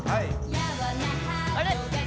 「あれ？」